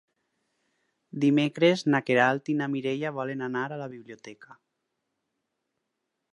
Dimecres na Queralt i na Mireia volen anar a la biblioteca.